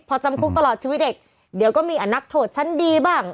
พอจำคุกตลอดชีวิตเด็กเดี๋ยวก็มีนักโทษชั้นดีบ้าง